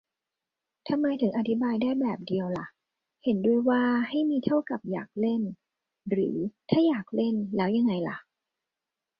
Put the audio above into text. ทำไมถึงอธิบายได้แบบเดียวล่ะ เห็นด้วยว่าให้มี เท่ากับ อยากเล่น ? หรือ ถ้าอยากเล่น แล้วยังไงล่ะ ?